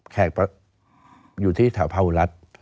แขกอยู่ที่แถวภาวรัฐ